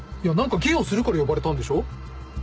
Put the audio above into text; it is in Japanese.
何か芸をするから呼ばれたんでしょ？